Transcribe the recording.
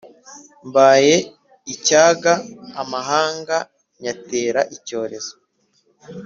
Mbaye icyaga amahanga nyatera icyorezo